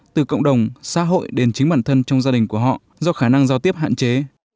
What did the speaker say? từ cộng đồng xã hội đến chính bản thân trong gia đình của họ do khả năng giao tiếp hạn chế